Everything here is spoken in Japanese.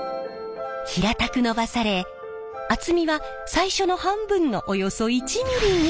平たくのばされ厚みは最初の半分のおよそ１ｍｍに。